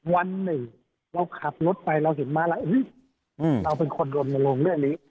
วันหนึ่งเราขับรถไปเราเห็นมาแล้วเราเป็นคนลนลงเรื่องนี้